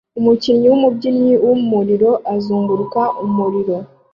Umubyinnyi wumubyinnyi wumuriro uzunguruka umuriro